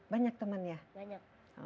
banyak teman ya